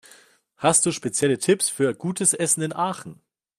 Hast du spezielle Tipps für gutes Essen in Aachen?